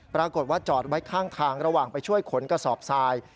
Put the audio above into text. ปรากฏว่าจอดไว้ข้างทางระหว่างไปช่วยขนกระสอบทราย